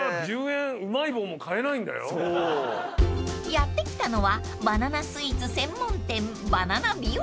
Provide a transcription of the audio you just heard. ［やって来たのはバナナスイーツ専門店］